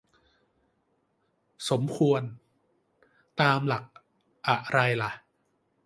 "สมควร" ตามหลักอะไรล่ะ